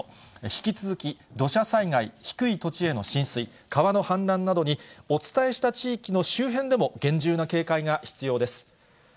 引き続き土砂災害、低い土地への浸水、川の氾濫などに、お伝えした地域の周辺でも厳重な警戒が必要です。